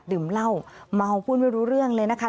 ดื่มเหล้าเมาพูดไม่รู้เรื่องเลยนะคะ